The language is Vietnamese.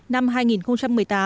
năm hai nghìn một mươi tám gdp